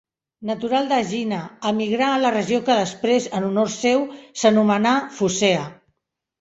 Natural d'Egina, emigrà a la regió que després, en honor seu, s'anomenà Focea.